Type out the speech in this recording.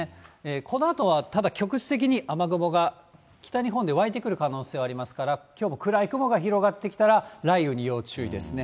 このあとはただ局地的に雨雲が北日本で湧いてくる可能性ありますから、きょうも暗い雲が広がってきたら、雷雨に要注意ですね。